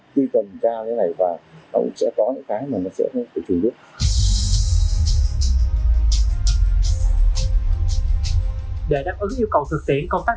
từ đầu năm hai nghìn hai mươi ba công an tp hcm ban hành kế hoạch